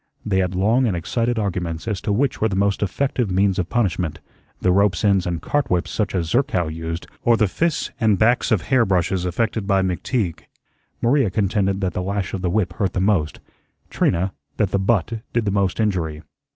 They had long and excited arguments as to which were the most effective means of punishment, the rope's ends and cart whips such as Zerkow used, or the fists and backs of hair brushes affected by McTeague. Maria contended that the lash of the whip hurt the most; Trina, that the butt did the most injury.